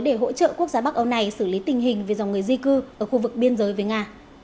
để hỗ trợ quốc gia bắc âu này xử lý tình hình về dòng người di cư ở khu vực biên giới với nga